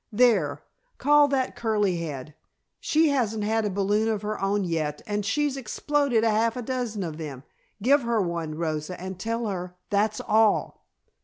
There, call that curly head. She hasn't had a balloon of her own yet and she's exploded a half dozen of them. Give her one, Rosa, and tell her _that's all!